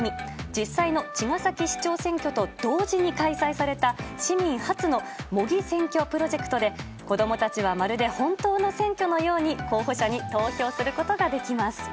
実際の茅ヶ崎市長選挙と同時に開催された市民発の模擬選挙プロジェクトで子供たちはまるで本当の選挙のように候補者に投票することができます。